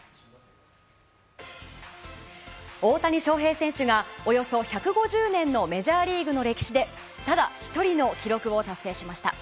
大谷翔平選手がおよそ１５０年のメジャーリーグの歴史でただ１人の記録を達成しました。